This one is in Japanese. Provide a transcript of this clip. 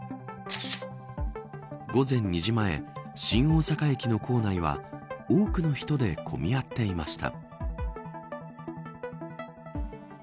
午前２時前、新大阪駅の構内は多くの人で混み合っていました。